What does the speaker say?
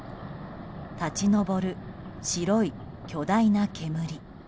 立ち上る、白い巨大な煙。